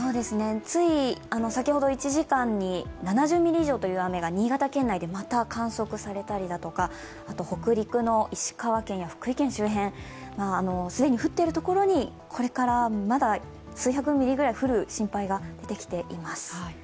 つい先ほど１時間に７０ミリ以上という雨が新潟県内でまた観測されたりとか北陸の石川県や福井県周辺既に降っているところにこれからまだ数百ミリぐらい降る心配が出てきています。